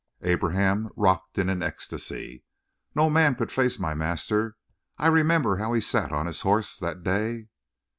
Abraham rocked in an ecstasy. "No man could face my master. I remember how he sat on his horse that day."